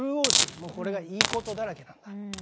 もうこれがいいことだらけなんだ。